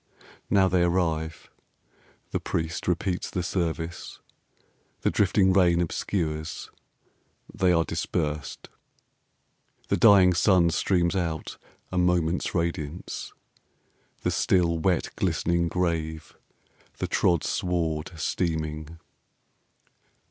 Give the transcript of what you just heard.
Now they arrive. The priest repeats the service. The drifting rain obscures. They are dispersed. The dying sun streams out: a moment's radiance; The still, wet, glistening grave; the trod sward steaming.